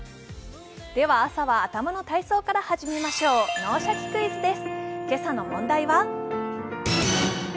では朝は頭の体操から始めましょう、「脳シャキ！クイズ」です。